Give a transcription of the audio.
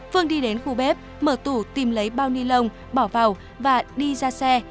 phương đi đến khu bếp mở tủ tìm lấy bao ni lông bỏ vào và đi ra xe